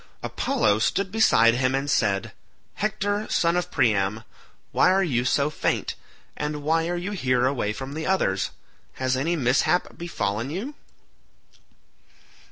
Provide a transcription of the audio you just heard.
Apollo stood beside him and said, "Hector son of Priam, why are you so faint, and why are you here away from the others? Has any mishap befallen you?"